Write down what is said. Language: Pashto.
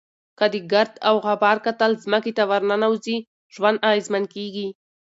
که د ګرد او غبار کتل ځمکې ته ورننوزي، ژوند اغېزمن کېږي.